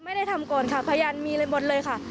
ไม่ได้ทำก่อนค่ะพยานมีอะไรหมดเลยค่ะ